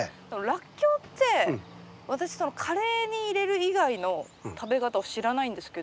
ラッキョウって私カレーに入れる以外の食べ方を知らないんですけど。